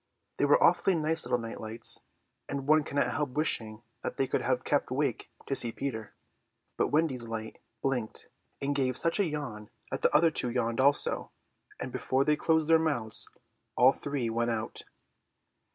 They were awfully nice little night lights, and one cannot help wishing that they could have kept awake to see Peter; but Wendy's light blinked and gave such a yawn that the other two yawned also, and before they could close their mouths all the three went out.